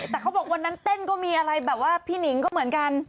แต่เขาบอกวันนั้นเต้นก็มีพี่นิ้งก็เหมือนกัน